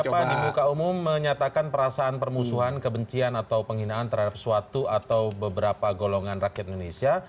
apa di muka umum menyatakan perasaan permusuhan kebencian atau penghinaan terhadap suatu atau beberapa golongan rakyat indonesia